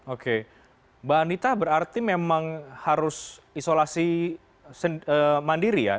oke mbak anita berarti memang harus isolasi mandiri ya